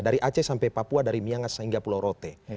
dari aceh sampai papua dari miangas sehingga pulau rote